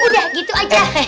udah gitu aja